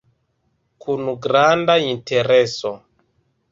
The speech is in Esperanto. Kun granda intereso.